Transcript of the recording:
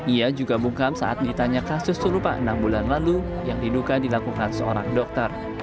ia juga bungkam saat ditanya kasus serupa enam bulan lalu yang diduga dilakukan seorang dokter